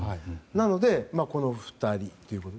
なので、この２人ということ。